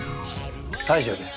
西城です。